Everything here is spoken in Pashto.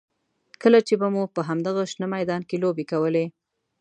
کله چې به مو په همدغه شنه میدان کې لوبې کولې.